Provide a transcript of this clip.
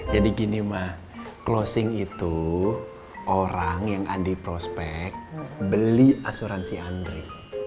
jadi gini mah closing itu orang yang andi prospek beli asuransi andri